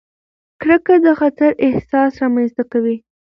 کرکه د خطر احساس رامنځته کوي.